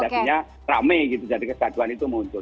jadinya rame gitu jadi kesatuan itu muncul